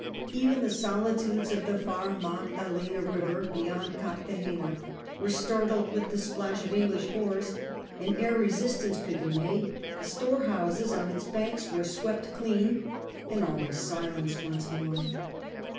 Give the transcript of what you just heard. Even the solitudes of the far Magdalena river beyond Cartagena were startled with the splash of English oars ; and ere resistance could be made, the storehouses on its banks were swept clean, and all was silence once more.